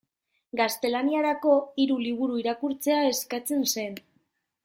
Gaztelaniarako hiru liburu irakurtzea eskatzen zen.